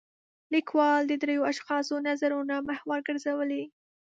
لیکوال د درېو اشخاصو نظرونه محور ګرځولی و.